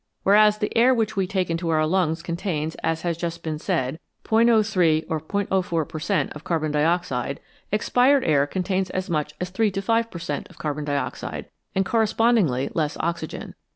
Whereas the air which we take into our lungs contains, as has just been said, "03 or '04 per cent, of carbon dioxide, expired air contains as much as 3 to 5 per cent, of carbon dioxide and correspondingly less oxygen.